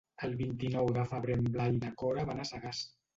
El vint-i-nou de febrer en Blai i na Cora van a Sagàs.